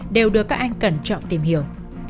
đều được các anh cẩn trọng tìm hiểu